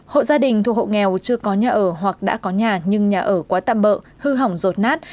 hộ gia đình thuộc hộ nghèo chưa có nhà ở hoặc đã có nhà nhưng nhà ở quá tạm bỡ hư hỏng rột nát